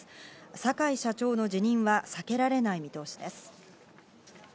坂井社長の辞任は避けられない見通しです。